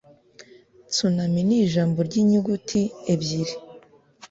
tsunami nijambo ry'inyuguti ebyiri.